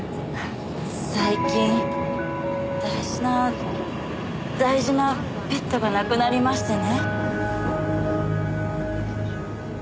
最近大事な大事なペットが亡くなりましてね。